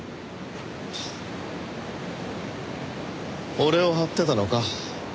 俺を張ってたのか。